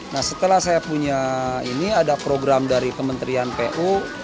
nah setelah saya punya ini ada program dari kementerian pu